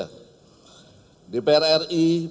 hadirin yang berbahagia